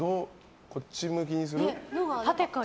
こっち向きにする？